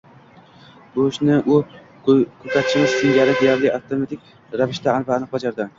Bu ishni u ko‘katchimiz singari deyarli avtomatik ravishda va aniq bajardi